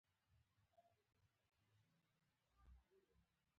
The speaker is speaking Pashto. •سترګې د ژوند د هرې برخې لپاره ځانګړې اهمیت لري.